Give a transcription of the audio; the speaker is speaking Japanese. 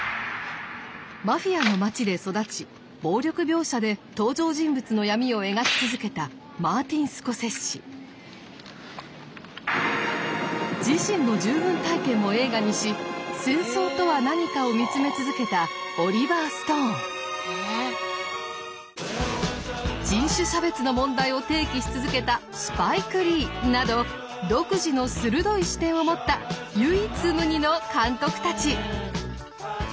マフィアの街で育ち暴力描写で登場人物の闇を描き続けた自身の従軍体験を映画にし戦争とは何かを見つめ続けた人種差別の問題を提起し続けたスパイク・リーなど独自の鋭い視点を持った唯一無二の監督たち。